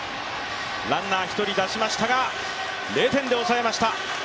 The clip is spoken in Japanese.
ランナー１人出しましたが０点で抑えました。